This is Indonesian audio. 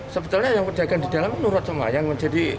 sebetulnya yang pedagang di dalam menurut saya yang menjadi